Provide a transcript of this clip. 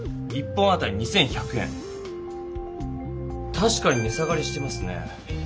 たしかにね下がりしてますね。